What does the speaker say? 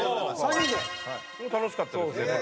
楽しかったですね